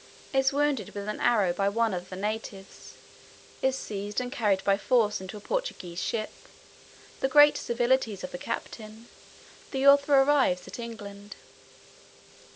Is wounded with an arrow by one of the natives. Is seized and carried by force into a Portuguese ship. The great civilities of the captain. The author arrives at England.